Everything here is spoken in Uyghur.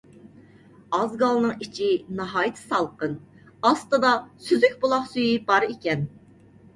ئازگالنىڭ ئىچى ناھايىتى سالقىن، ئاستىدا سۈزۈك بۇلاق سۈيى بار ئىكەن.